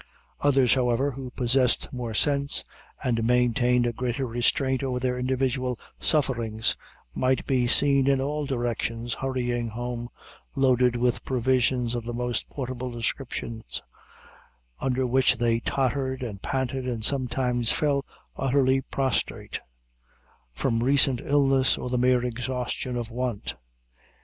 Others, however, who possessed more sense, and maintained a greater restraint over their individual sufferings, might be seen in all directions, hurrying home, loaded with provisions of the most portable descriptions, under which they tottered and panted, and sometimes fell utterly prostrate from recent illness or the mere exhaustion of want.